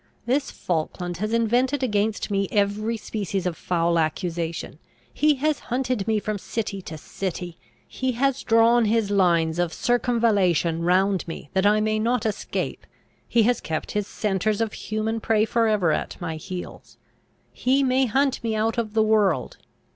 This Falkland has invented against me every species of foul accusation. He has hunted me from city to city. He has drawn his lines of circumvallation round me that I may not escape. He has kept his scenters of human prey for ever at my heels. He may hunt me out of the world.